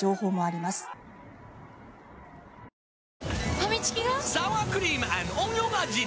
ファミチキが！？